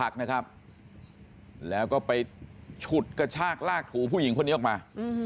หอพักนะครับแล้วก็ไปฉุดกระชากลากถูผู้หญิงคนนี้ออกมา